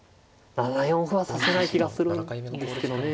７四歩は指せない気がするんですけどね。